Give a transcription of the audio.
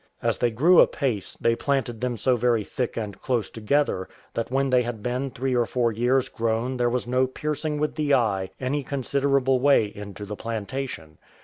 As they grew apace, they planted them so very thick and close together, that when they had been three or four years grown there was no piercing with the eye any considerable way into the plantation.